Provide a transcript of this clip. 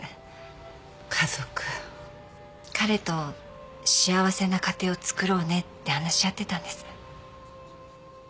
彼と「幸せな家庭をつくろうね」って話し合ってたんです。